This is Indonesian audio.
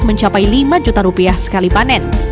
mencapai rp lima juta sekali panen